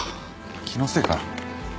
気のせいかな？